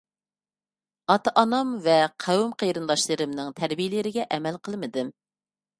ئاتا - ئانام ۋە قوۋم - قېرىنداشلىرىمنىڭ تەربىيەلىرىگە ئەمەل قىلمىدىم.